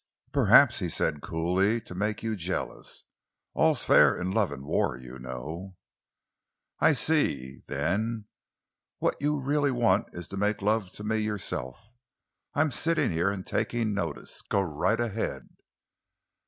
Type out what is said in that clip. "Perhaps," he said coolly, "to make you jealous. All's fair in love and war, you know." "I see. Then what you really want is to make love to me yourself? I'm sitting here and taking notice. Go right ahead."